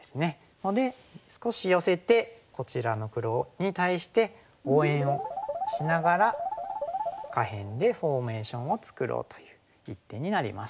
ので少し寄せてこちらの黒に対して応援をしながら下辺でフォーメーションを作ろうという一手になります。